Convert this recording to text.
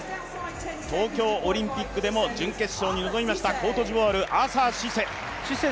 東京オリンピックでも準決勝に臨みました、アーサー・シセ。